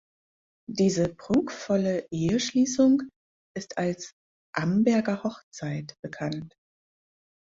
Diese prunkvolle Eheschließung ist als "Amberger Hochzeit" bekannt.